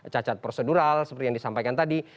cacat prosedural seperti yang disampaikan tadi